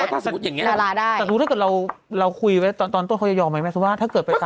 แต่อันนี้ดาราได้ถ้าเราคุยไว้ตอนต้นเขาอยากยอมไหม